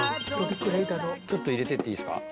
ちょっと入れてっていいですか。